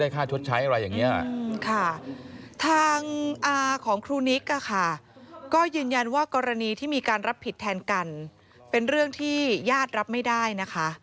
ทางอาของครูนิกก็ยืนยันว่ากรณีที่มีการรับผิดแทนกันเป็นเรื่องที่ญาติรับไม่ได้นะคะ